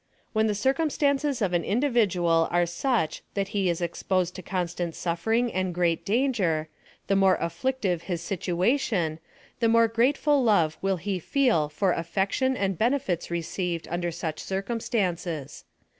When the circumstances of an individual are such that he is exposed to constant suffering and great danger ; the more afliicti^ j his situation the more grateful love will he feel for affection and benefits received under such circumstances.